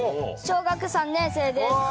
小学３年生です。